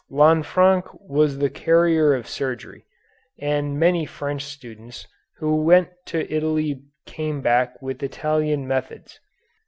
Lanfranc was the carrier of surgery, and many French students who went to Italy came back with Italian methods.